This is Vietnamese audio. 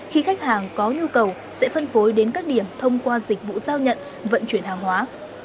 khi khách hàng có nhu cầu sẽ phân phối đến các điểm thông qua dịch vụ giao nhận vận chuyển hàng hóa